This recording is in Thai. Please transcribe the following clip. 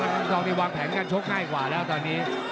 ตอนนี้วางแผงการโชคง่ายกว่าแล้วตอนนี้